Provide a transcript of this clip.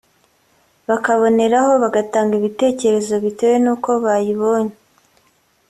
bakaboneraho bagatanga ibitekerezo bitewe n’uko bayibonye